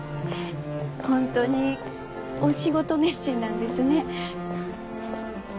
本当にお仕事熱心なんですね。